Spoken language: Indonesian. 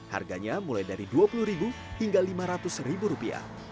harganya mulai dari rp dua puluh hingga rp lima ratus